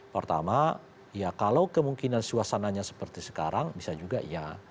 pertama ya kalau kemungkinan suasananya seperti sekarang bisa juga ya